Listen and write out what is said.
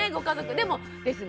でもですね